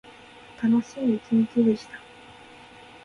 楽しい一日でした。